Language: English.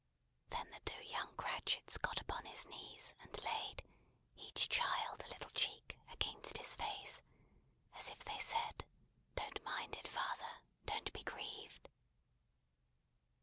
Then the two young Cratchits got upon his knees and laid, each child a little cheek, against his face, as if they said, "Don't mind it, father. Don't be grieved!"